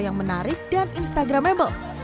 yang menarik dan menarik